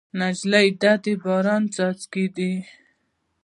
نجلۍ د باران څاڅکی ده.